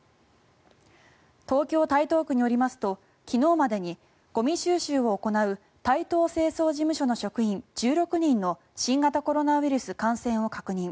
東京・台東区によりますと昨日までにゴミ収集を行う台東清掃事務所の職員１６人の新型コロナウイルス感染を確認。